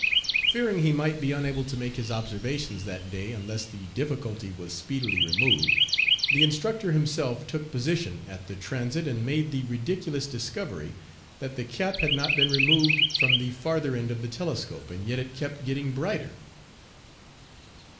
Fearing he might be unable to make his observations that day unless the difficulty was speedily removed, the instructor himself took position at the transit, and made the ridiculous discovery that the cap had not been removed from the farther end of the telescope, and yet it kept getting brighter.